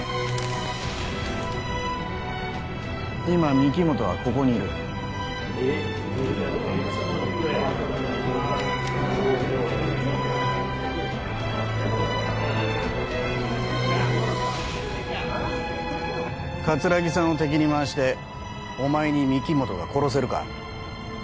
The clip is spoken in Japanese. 今御木本はここにいる桂木さんを敵に回してお前に御木本が殺せるか？